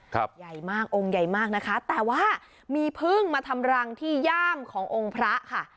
ใหญ่มากองค์ใหญ่มากนะคะแต่ว่ามีพึ่งมาทำรังที่ย่ามขององค์พระค่ะ